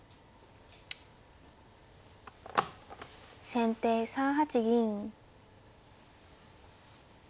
先手３八銀。